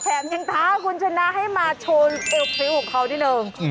แถมยังท้าคุณชนะให้มาโชว์เอลฟริวของเขานิดนึง